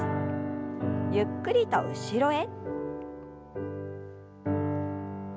ゆっくりと後ろへ。